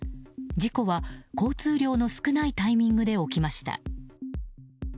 事故は交通量の少ないタイミングで起きました。